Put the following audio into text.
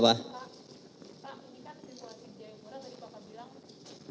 pak ini kan situasi di jayapura tadi bapak bilang